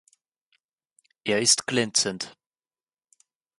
Er ist glänzend.